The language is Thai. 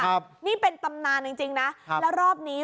ครับนี่เป็นตำนานจริงจริงนะครับแล้วรอบนี้